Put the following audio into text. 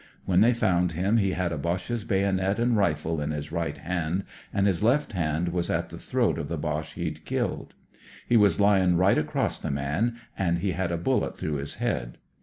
When they found him he had a Roche's bayonet and rifle in his right hand and his left hand was at the throat of the Roche he*d killed. He was lying right across the man, and he had a bullet through his head.